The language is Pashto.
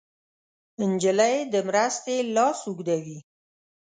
نجلۍ د مرستې لاس اوږدوي.